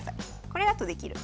これだとできる。